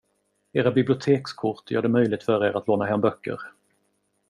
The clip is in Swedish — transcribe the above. Era bibliotekskort gör det möjligt för er att låna hem böcker.